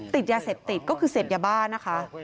ติดยาเสพติดก็คือเสพยาบ้านะคะ